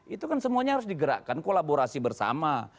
itu kan semuanya harus digerakkan kolaborasi bersama